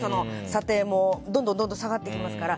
査定もどんどん下がっていきますから。